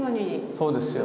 そうですよ。